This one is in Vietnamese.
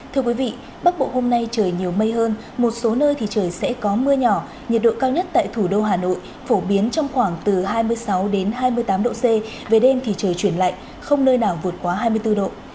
thưa quý vị bắc bộ hôm nay trời nhiều mây hơn một số nơi thì trời sẽ có mưa nhỏ nhiệt độ cao nhất tại thủ đô hà nội phổ biến trong khoảng từ hai mươi sáu đến hai mươi tám độ c về đêm thì trời chuyển lạnh không nơi nào vượt quá hai mươi bốn độ